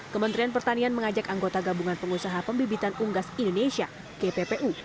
kementerian pertanian mengajak anggota gabungan pengusaha pembibitan unggas indonesia gppu